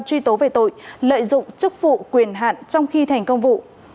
truy tố về tội lợi dụng chức vụ quyền hạn trong khi thành công vụ